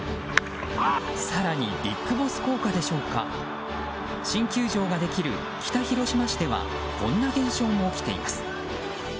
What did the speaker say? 更にＢＩＧＢＯＳＳ効果でしょうか新球場ができる北広島市ではこんな現象も起きています。